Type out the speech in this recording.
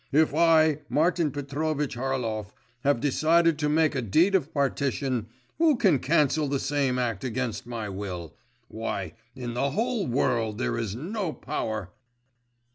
If I, Martin Petrovitch Harlov, have decided to make a deed of partition, who can cancel the same act against my will? Why, in the whole world there is no power.